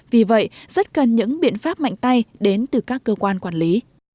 vì vậy rất cần những biện pháp mạnh tay đến từ các cơ quan quản lý